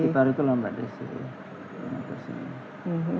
sekitar itu lah mbak desi